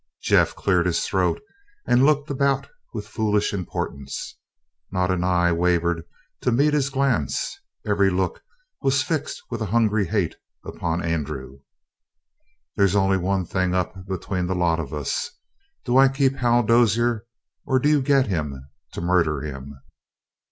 Jeff cleared his throat and looked about with foolish importance. Not an eye wavered to meet his glance; every look was fixed with a hungry hate upon Andrew. "There's only one thing up between the lot of us: Do I keep Hal Dozier, or do you get him to murder him?